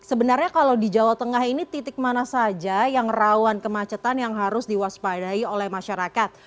sebenarnya kalau di jawa tengah ini titik mana saja yang rawan kemacetan yang harus diwaspadai oleh masyarakat